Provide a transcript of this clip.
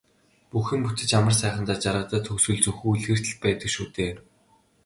Бүх юм бүтэж амар сайхандаа жаргадаг төгсгөл зөвхөн үлгэрт л байдаг шүү дээ.